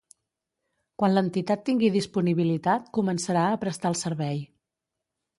Quan l'entitat tingui disponibilitat començarà a prestar el servei.